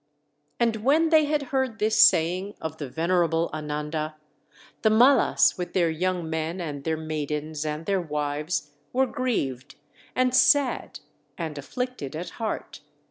And when they had heard this saying of the venerable Ananda, the Mallas, with their young men and their maidens and their wives, were grieved, and sad, and afflicted at heart.